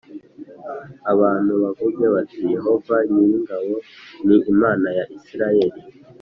Abantu bavuge bati yehova nyir ingabo ni imana ya isirayeli